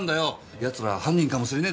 奴ら犯人かもしれねぇだろ？